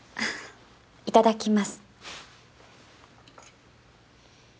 いただきます。